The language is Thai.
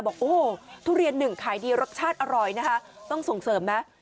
บอกโอ้ทุเรียนหนึ่งขายดีรสชาติอร่อยนะคะต้องส่งเสริมไหม